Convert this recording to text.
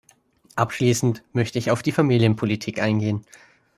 Abschließend möchte ich auf die Familienpolitik eingehen.